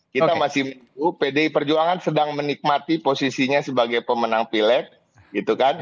kita masih pdi perjuangan sedang menikmati posisinya sebagai pemenang pilek gitu kan